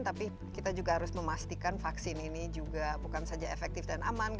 tapi kita juga harus memastikan vaksin ini juga bukan saja efektif dan aman